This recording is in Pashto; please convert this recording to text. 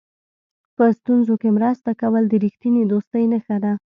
په ستونزو کې مرسته کول د رښتینې دوستۍ نښه ده.